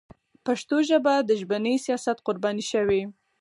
پښتو ژبه د ژبني سیاست قرباني شوې.